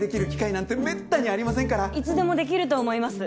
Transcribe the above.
いつでもできると思います。